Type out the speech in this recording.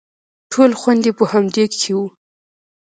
ټول خوند يې په همدې کښې و.